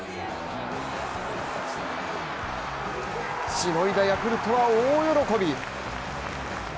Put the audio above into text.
しのいだヤクルトは大喜び。